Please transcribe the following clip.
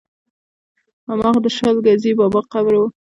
هماغه د شل ګزي بابا قبر و.